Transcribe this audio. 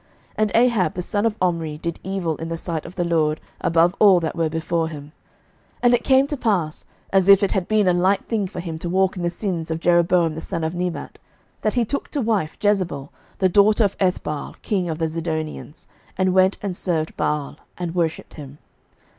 11:016:030 And Ahab the son of Omri did evil in the sight of the LORD above all that were before him. 11:016:031 And it came to pass, as if it had been a light thing for him to walk in the sins of Jeroboam the son of Nebat, that he took to wife Jezebel the daughter of Ethbaal king of the Zidonians, and went and served Baal, and worshipped him.